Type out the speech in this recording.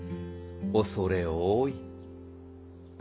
恐れ多い。